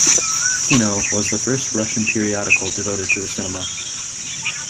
Kino was the first Russian periodical devoted to the cinema.